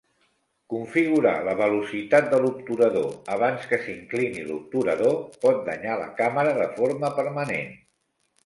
Configurar la velocitat de l'obturador abans que s'inclini l'obturador pot danyar la càmera de forma permanent.